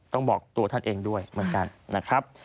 ต้องบอกตัวท่านเองด้วยเหมือนกันนะครับ